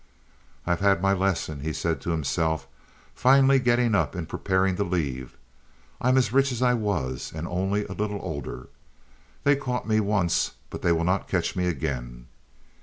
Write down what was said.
"I have had my lesson," he said to himself, finally getting up and preparing to leave. "I am as rich as I was, and only a little older. They caught me once, but they will not catch me again."